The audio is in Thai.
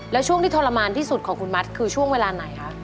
แล้วช่วงที่ทรมานที่สุดของคุณมัดคือช่วงเวลาไหนคะ